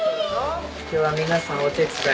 今日は皆さんお手伝いで。